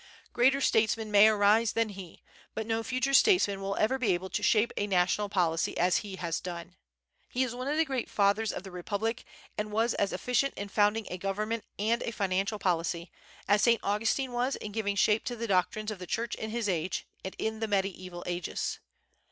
Greater statesmen may arise than he, but no future statesman will ever be able to shape a national policy as he has done. He is one of the great fathers of the Republic, and was as efficient in founding a government and a financial policy, as Saint Augustine was in giving shape to the doctrines of the Church in his age, and in mediaeval ages.